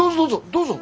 どうぞ。